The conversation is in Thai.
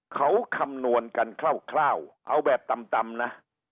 เขาคำนวณกันคร่าวเอาแบบต่ำนะ